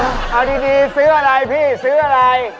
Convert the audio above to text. เอาดีซื้ออะไรพี่ซื้ออะไร